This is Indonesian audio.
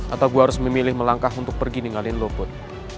atau gue harus memilih melangkah untuk pergi ninggalin luput